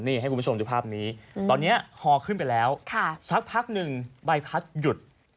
นี่ให้คุณผู้ชมดูภาพนี้ตอนนี้ฮอขึ้นไปแล้วสักพักหนึ่งใบพัดหยุด